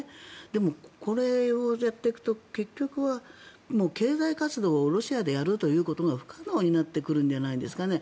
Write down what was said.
でも、これをやっていくと結局は経済活動をロシアでやるということが不可能になってくるんじゃないですかね。